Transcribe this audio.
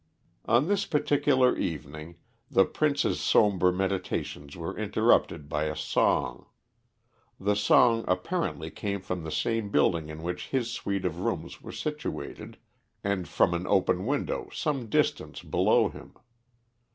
On this particular evening, the Prince's sombre meditations were interrupted by a song. The song apparently came from the same building in which his suite of rooms were situated, and from an open window some distance below him.